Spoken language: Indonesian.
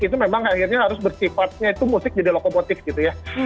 itu memang akhirnya harus bersifatnya itu musik jadi lokomotif gitu ya